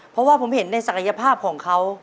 เพราะว่าผมเห็นในศักยภาพของเขา